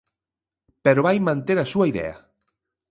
Pero vai manter a súa idea.